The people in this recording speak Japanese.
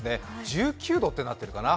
１９度ってなってるかな？